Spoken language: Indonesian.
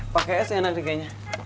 pakai es enak deh kayaknya